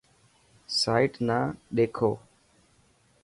سائيٽ نا ڏيکو.